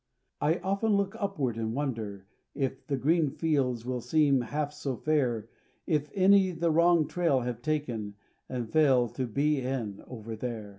I often look upward and wonder If the green fields will seem half so fair, If any the wrong trail have taken And fail to "be in" over there.